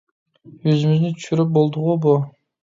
يۈزىمىزنى چۈشۈرۈپ بولدىغۇ بۇ.